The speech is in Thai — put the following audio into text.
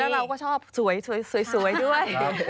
แล้วเราก็ชอบสวยด้วย